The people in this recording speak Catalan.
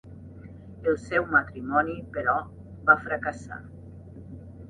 El seu matrimoni, però, va fracassar.